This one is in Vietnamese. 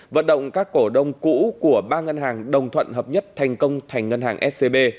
vận động các cổ đông cũ của ba ngân hàng đồng thuận hợp nhất thành công thành ngân hàng scb